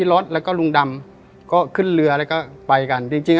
รถแล้วก็ลุงดำก็ขึ้นเรือแล้วก็ไปกันจริงจริง